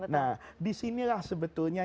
nah disinilah sebetulnya